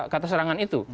kata serangan itu